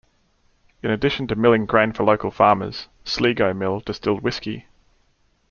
In addition to milling grain for local farmers, Sligo Mill distilled whiskey.